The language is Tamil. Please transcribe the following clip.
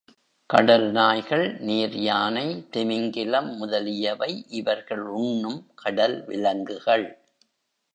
கடல் நாய்கள், நீர் யானை, திமிங்கிலம் முதலியவை இவர்கள் உண்ணும் கடல் விலங்குகள்.